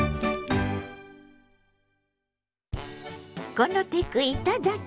「このテクいただき！